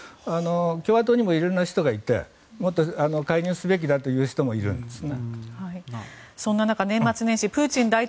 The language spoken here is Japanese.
そういう共和党にも色々な人がいてもっと介入すべきだという人もいるんですね。